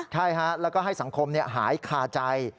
ใช่ฮะแล้วก็ให้สังคมหายคาใจ